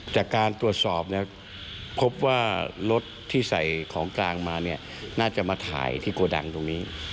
จากการตรวจสอบเนี่ยพบว่ารถที่ใส่ของกลางมาเนี่ยน่าจะมาถ่ายที่โกดังตรงนี้